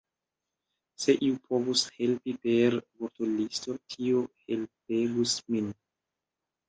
Se iu povus helpi per vortolisto, tio helpegus min!